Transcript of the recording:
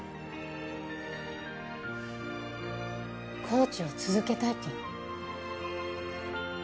コーチを続けたいっていうの？